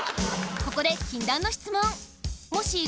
ここで禁断の質問！